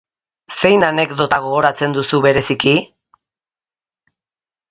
Zein anekdota gogoratzen duzu bereziki?